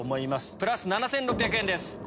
プラス７６００円です。